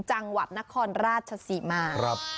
จังหวัดนครราชศรีมา